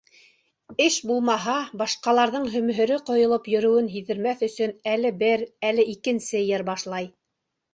Эш булмаһа, башҡаларҙың һөмһөрө ҡойолоп йөрөүен һиҙҙермәҫ өсөн әле бер, әле икенсе йыр башлай.